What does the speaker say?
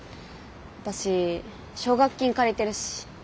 私奨学金借りてるし。